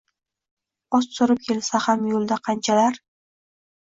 Ot surib kelsa ham yo’lda qanchalar.